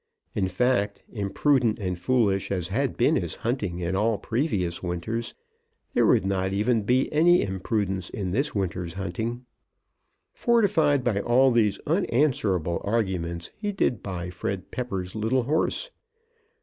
In fact, imprudent and foolish as had been his hunting in all previous winters, there would not even be any imprudence in this winter's hunting. Fortified by all these unanswerable arguments he did buy Mr. Fred Pepper's little horse.